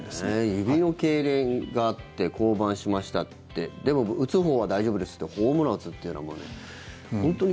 指のけいれんがあって降板しましたってでも打つほうは大丈夫ですってホームラン打つというのは本当に。